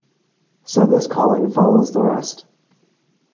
So this calling follows the rest.